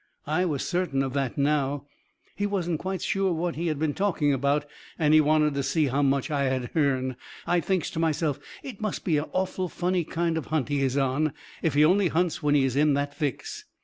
I was certain of that, now. He wasn't quite sure what he had been talking about, and he wanted to see how much I had hearn. I thinks to myself it must be a awful funny kind of hunt he is on, if he only hunts when he is in that fix.